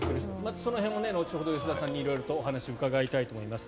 その辺、後ほど吉田さんにお話を伺いたいと思います。